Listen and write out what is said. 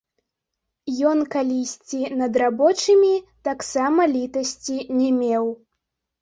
Ён калісьці над рабочымі таксама літасці не меў.